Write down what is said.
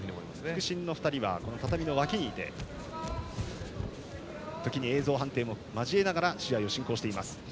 副審２人は畳の脇にいて時に映像判定も交えて試合を進行しています。